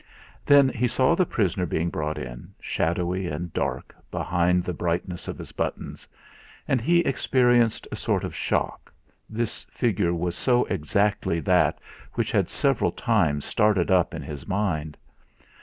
Then he saw the prisoner being brought in, shadowy and dark behind the brightness of his buttons, and he experienced a sort of shock, this figure was so exactly that which had several times started up in his mind.